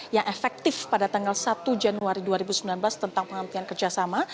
yang efektif pada tanggal satu januari dua ribu sembilan belas tentang penghentian kerjasama